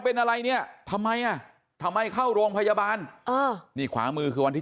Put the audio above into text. เป็นอะไรเนี่ยทำไมอ่ะทำไมเข้าโรงพยาบาลเออนี่ขวามือคือวันที่